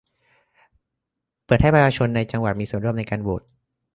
เปิดให้ประชาชนในจังหวัดมีส่วนร่วมในการโหวด